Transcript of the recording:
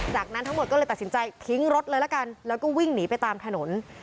จากนั้นทั้งหมดก็เลยตัดสินใจทิ้งรถเลยละกันแล้วก็วิ่งหนีไปตามถนน